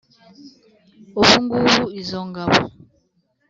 ubungubu izo ngabo